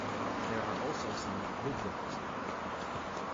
There are also some wolfdogs.